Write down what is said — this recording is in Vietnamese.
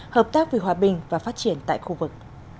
hợp tác vì hòa bình và phát triển tại khu vực